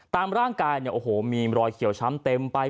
ตามร่างกายมีรอยเขียวช้ำเต็มไป